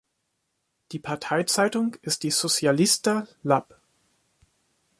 Die Parteizeitung ist die Socialista Lab.